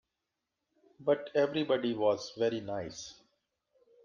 But everybody was very nice.